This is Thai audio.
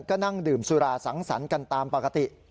ก็นั่งดื่มสุราสังสรรค์กันตามปกติ